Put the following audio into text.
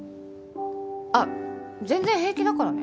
あっ全然平気だからね。